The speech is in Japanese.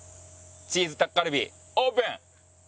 チーズタッカルビオープン！